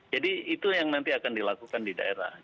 jadi itu yang nanti akan dilakukan di daerah